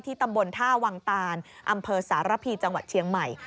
ตำบลท่าวังตานอำเภอสารพีจังหวัดเชียงใหม่